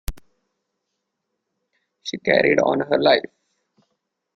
She carried on her life.